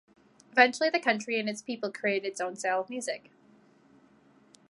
Eventually the country and its people created its own style of music.